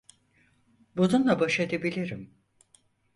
Bununla baş edebilirim.